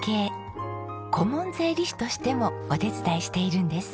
顧問税理士としてもお手伝いしているんです。